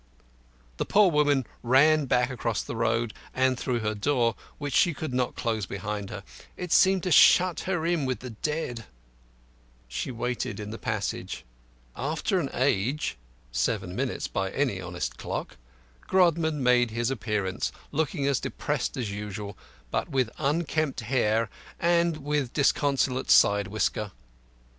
The poor woman ran back across the road and through her door, which she would not close behind her. It seemed to shut her in with the dead. She waited in the passage. After an age seven minutes by any honest clock Grodman made his appearance, looking as dressed as usual, but with unkempt hair and with disconsolate side whisker.